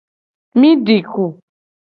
Mi di ku.